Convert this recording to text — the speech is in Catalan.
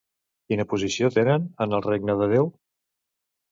Quina posició tenen en el regne de Déu?